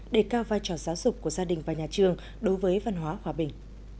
đề cao vai trò giáo dục của gia đình và nhà trường đối với văn hóa hòa bình